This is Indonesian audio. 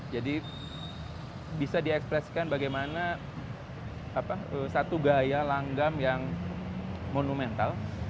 bisa diekspresikan bagaimana satu gaya langgam yang monumental